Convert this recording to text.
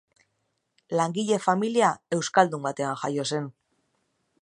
Langile-familia euskaldun batean jaio zen.